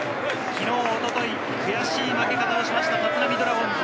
昨日・一昨日、悔しい負け方をした立浪ドラゴンズ。